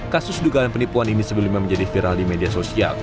kasus dugaan penipuan ini sebelumnya menjadi viral di media sosial